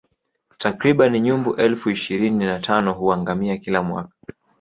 Takribani nyumbu elfu ishirini na tano huangamia kila mwaka